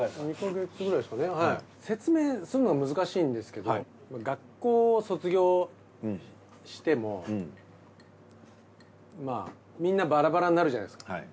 説明するのは難しいんですけど学校を卒業してもまあみんなバラバラになるじゃないですか。